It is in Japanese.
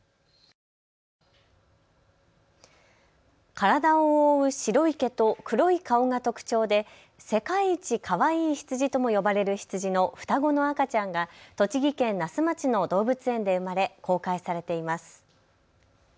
体を覆う白い毛と黒い顔が特徴で世界一かわいい羊とも呼ばれる羊の双子の赤ちゃんが栃木県那須町の動物園で生まれ公開されています。